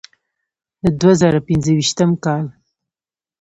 د دوه زره پنځويشتم کال